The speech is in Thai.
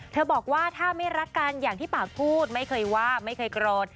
บอกว่าถ้าไม่รักกันอย่างที่ปากพูดไม่เคยว่าไม่เคยโกรธ